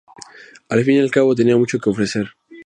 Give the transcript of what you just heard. Al fin y al cabo tenía mucho que ofrecer.